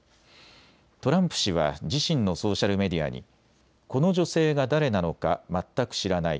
トランプ氏は自身のソーシャルメディアにこの女性が誰なのか全く知らない。